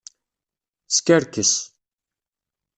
Skerkes.